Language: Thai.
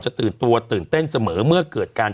ตื่นตัวตื่นเต้นเสมอเมื่อเกิดการ